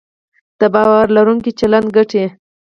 د باور لرونکي چلند ګټې